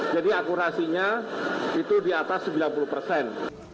jadi akurasinya itu di atas sembilan puluh persen